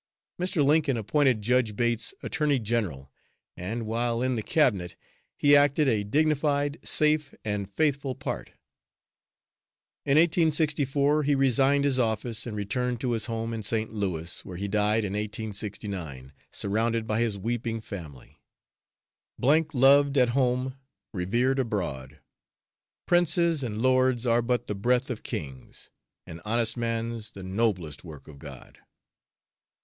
Mr. Lincoln appointed Judge Bates Attorney General, and while in the Cabinet he acted a dignified, safe and faithful part. In 1864, he resigned his office and returned to his home in St. Louis, where he died in 1869, surrounded by his weeping family. " loved at home, revered abroad. Princes and lords are but the breath of kings, 'An honest man's the noblest work of God.'"